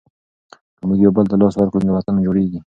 که موږ یو بل ته لاس ورکړو نو وطن جوړیږي.